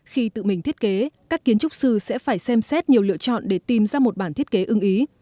khi tự mình thiết kế các kiến trúc sư sẽ phải xem xét nhiều lựa chọn để tìm ra một bản thiết kế ưng ý